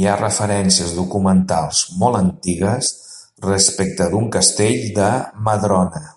Hi ha referències documentals molt antigues respecte d'un castell de Madrona.